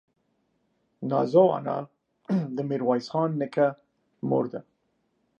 نازو انا دې ميرويس خان نيکه مور ده.